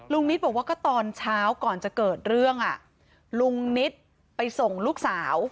นิตบอกว่าก็ตอนเช้าก่อนจะเกิดเรื่องอ่ะลุงนิดไปส่งลูกสาว